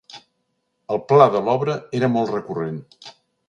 El pla de l'obra era molt recurrent.